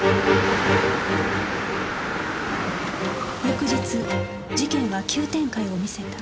翌日事件は急展開を見せた